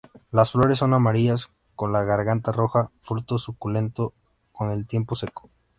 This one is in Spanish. Las flores son amarillas con la garganta roja; fruto suculento con el tiempo seco.